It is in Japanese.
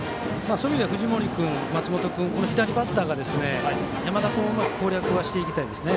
そういう意味では藤森君、松本君という左バッターが山田君をうまく攻略していきたいですね。